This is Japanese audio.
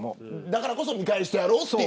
だからこそ見返してやろうと。